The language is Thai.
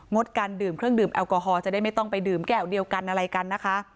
ดการดื่มเครื่องดื่มแอลกอฮอลจะได้ไม่ต้องไปดื่มแก้วเดียวกันอะไรกันนะคะ